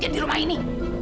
dia di rumah ini